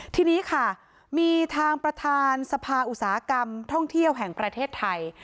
ทีนี้ค่ะมีทางประธานสภาอุตสาหกรรมท่องเที่ยวแห่งประเทศไทย